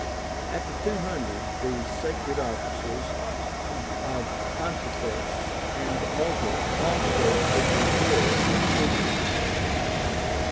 After 200 the sacred offices of PONTIFEX and AUGUR also could be filled by plebeians.